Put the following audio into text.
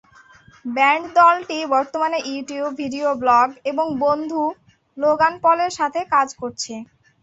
Band দলটি বর্তমানে YouTube video blog এবং বন্ধু, লোগান পলের সাথে কাজ করছে।